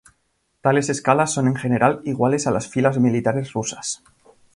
Tales escalas son en general iguales a las filas militares rusas.